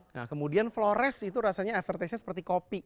nah kemudian flores itu rasanya avertisnya seperti kopi